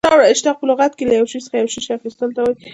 اشتقاق په لغت کښي له یوه شي څخه یو شي اخستلو ته وايي.